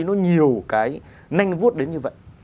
nó nhiều cái nanh vuốt đến như vậy